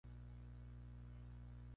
La digestión sucede de manera extracelular.